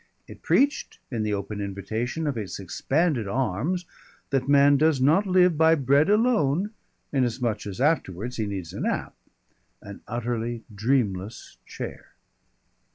It preached in the open invitation of its expanded arms that man does not live by bread alone inasmuch as afterwards he needs a nap. An utterly dreamless chair!